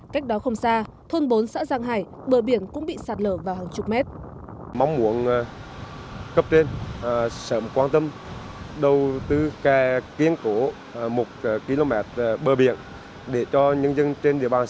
cách đó không xa thôn bốn xã giang hải bờ biển cũng bị sạt lở vào hàng chục mét